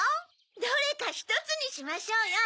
どれかひとつにしましょうよ。